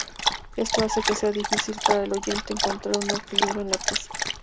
Esto hace que sea difícil para el oyente encontrar un equilibrio en la pieza.